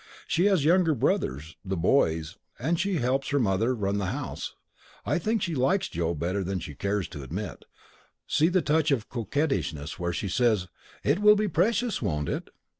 She has younger brothers ['the boys') and she helps her mother run the house. I think she likes Joe better than she cares to admit see the touch of coquettishness where she says 'It will be precious, won't it?'